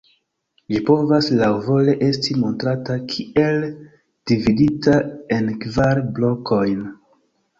Ĝi povas laŭvole esti montrata kiel dividita en kvar blokojn.